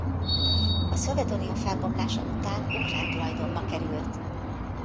A Szovjetunió felbomlása után ukrán tulajdonba került.